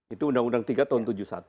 itu undang undang tiga tahun tujuh puluh satu